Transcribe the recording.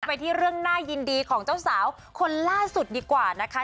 ไปที่เรื่องน่ายินดีของเจ้าสาวคนล่าสุดดีกว่านะคะ